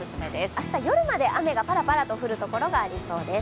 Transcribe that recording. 明日夜まで雨がパラパラと降るところがありそうです。